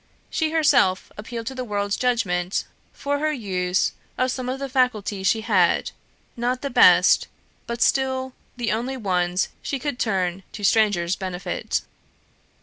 She herself appealed to the world's judgment for her use of some of the faculties she had, not the best, but still the only ones she could turn to strangers' benefit.